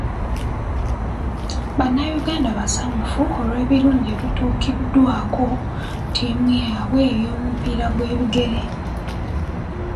Bannayuganda basanyufu olw'ebirungi ebituukiddwako ttiimu yaabwe ey'omupiira gw'ebigere.